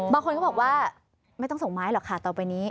บางคนก็บอกว่าไม่ต้องส่งไม้หรอกค่ะต่อไปนี้